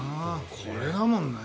これだもんね。